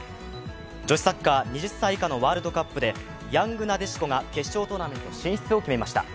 女子サッカー２０歳以下のワールドカップでヤングなでしこが決勝トーナメント進出を決めました。